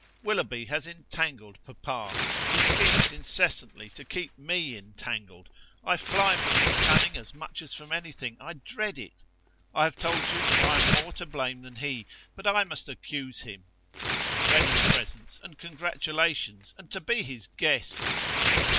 Willoughby has entangled papa. He schemes incessantly to keep me entangled. I fly from his cunning as much as from anything. I dread it. I have told you that I am more to blame than he, but I must accuse him. And wedding presents! and congratulations! And to be his guest!"